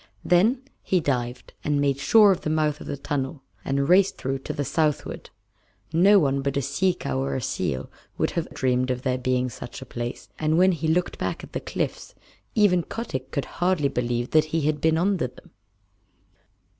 Then he dived and made sure of the mouth of the tunnel, and raced through to the southward. No one but a sea cow or a seal would have dreamed of there being such a place, and when he looked back at the cliffs even Kotick could hardly believe that he had been under them.